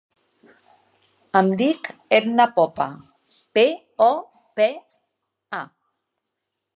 Em dic Etna Popa: pe, o, pe, a.